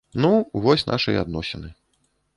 Ну, вось нашыя адносіны.